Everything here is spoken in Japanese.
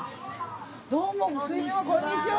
どうもこんにちは。